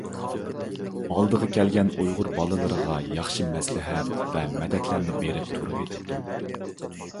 ئالدىغا كەلگەن ئۇيغۇر بالىلىرىغا ياخشى مەسلىھەت ۋە مەدەتلەرنى بېرىپ تۇرۇۋېتىپتۇ.